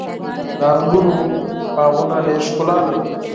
• د انګورو باغونه ډېره ښکلا لري.